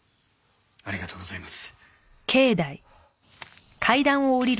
ありがとうございます。